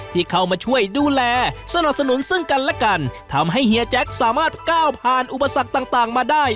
ที่เข้ามาช่วยดูแลสนับสนุนซึ่งกันและกันทำให้เฮียแจ็คสามารถก้าวผ่านอุปสรรคต่างมาได้